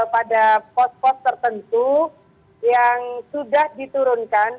pada pos pos tertentu yang sudah diturunkan